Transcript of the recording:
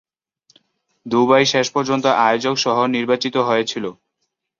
Dubai শেষ পর্যন্ত আয়োজক শহর নির্বাচিত হয়েছিল।